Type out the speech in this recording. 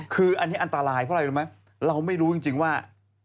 คืออันนี้อันตรายเพราะอะไรรู้ไหมเราไม่รู้จริงว่า